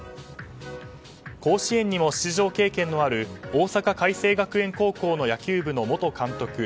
甲子園にも出場経験のある大阪偕星学園高校の野球部の元監督